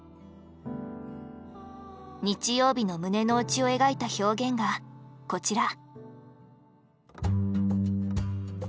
日曜日の胸の内を描いた表現がこちら。